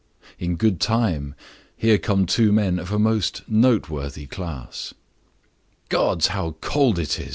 In good time! Here come two men of a most noteworthy class. "Gods! How cold it is!"